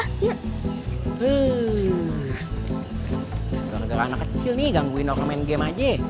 gara gara anak kecil nih gangguin orang main game aja